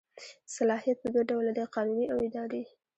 صلاحیت په دوه ډوله دی قانوني او اداري.